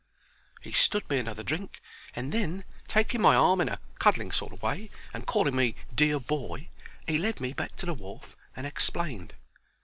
He stood me another drink, and then, taking my arm in a cuddling sort o' way, and calling me "Dear boy," 'e led me back to the wharf and explained.